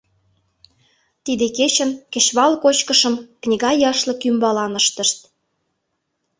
Тиде кечын кечывал кочкышым книга яшлык ӱмбалан ыштышт.